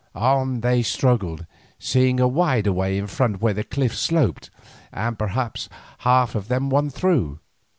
On they struggled, seeing a wider way in front where the cliffs sloped, and perhaps half of them won through.